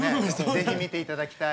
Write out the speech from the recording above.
是非見ていただきたい。